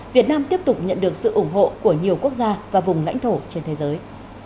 việt nam tiếp tục nhận được sự ủng hộ của nhiều quốc gia và vùng lãnh thổ trên thế giới